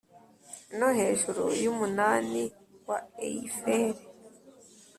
no hejuru y'umunara wa eiffel.